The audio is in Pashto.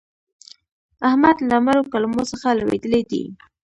احمد له مړو کلمو څخه لوېدلی دی.